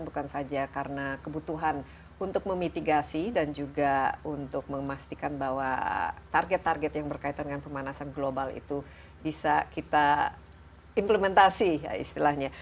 bukan saja karena kebutuhan untuk memitigasi dan juga untuk memastikan bahwa target target yang berkaitan dengan pemanasan global itu bisa kita implementasi istilahnya